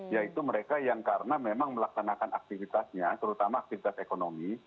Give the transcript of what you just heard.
yaitu mereka yang karena memang melaksanakan aktivitasnya terutama aktivitas ekonomi